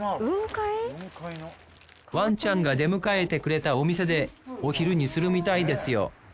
ワンちゃんが出迎えてくれたお店でお昼にするみたいですよ